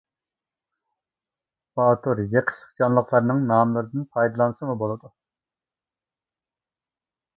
باتۇر، يېقىشلىق جانلىقلارنىڭ ناملىرىدىن پايدىلانسىمۇ بولىدۇ.